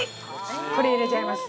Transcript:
これ、入れちゃいます。